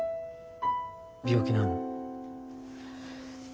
病気なの？